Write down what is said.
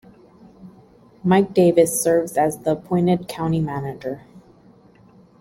Mike Davis serves as the appointed County Manager.